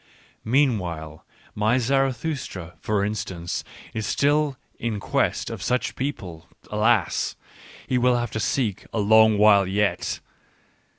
Meanwhile my Zarathustra, for instance, is still in quest of such people — alas ! he will have to seek a long while yet